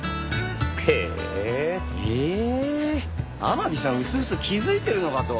天樹さんうすうす気づいてるのかと。